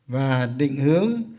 và định hướng